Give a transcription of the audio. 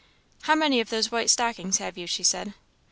"How many of those white stockings have you?" she said.